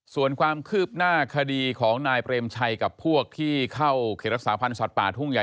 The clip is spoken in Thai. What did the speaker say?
ส่วนความคืบหน้าคดีของนายเปรมชัยกับพวกที่เข้าเขตรักษาพันธ์สัตว์ป่าทุ่งใหญ่